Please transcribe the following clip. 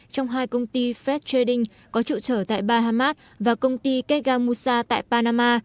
trong hai công ty fred trading có trụ sở tại bahamas và công ty kegamusa tại panama